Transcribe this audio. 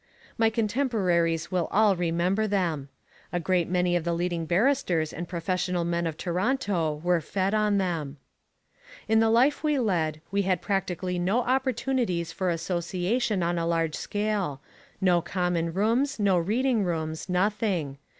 My contemporaries will all remember them. A great many of the leading barristers and professional men of Toronto were fed on them. In the life we led we had practically no opportunities for association on a large scale, no common rooms, no reading rooms, nothing.